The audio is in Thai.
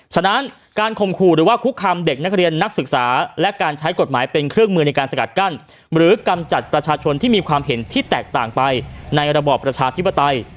ฉะนั้นการข่มขู่หรือว่าคุกคำเด็กนักเรียนนักศึกษาและการใช้กฎหมายเป็นเครื่องมือในการสกัดกั้นหรือกำจัดประชาชนที่มีความเห็นที่แตกต่างไปในระบอบประชาธิปไตย